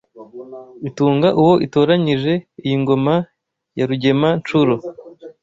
Itunga uwo itoranyije Iyi ngoma ya Rugema-nshuro